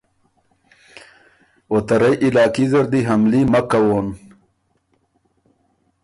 او ته رئ علاقي زر دی حملي مک کوون۔